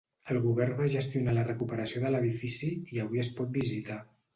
El govern va gestionar la recuperació de l'edifici i avui es pot visitar.